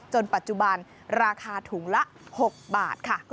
ปัจจุบันราคาถุงละ๖บาทค่ะ